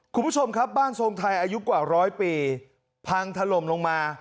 คุณผู้ชมครับบ้านทรงไทยอายุกว่าร้อยปีพังถล่มลงมา